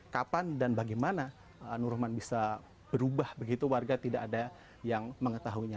kapan dan bagaimana nur rahman bisa berubah begitu warga tidak ada yang mengetahuinya